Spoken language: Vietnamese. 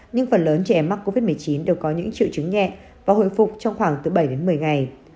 nhưng phần lớn trẻ em mắc covid một mươi chín đều có những triệu chứng nhẹ và hồi phục trong khoảng từ bảy đến một mươi ngày